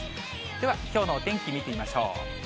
では、きょうのお天気見てみましょう。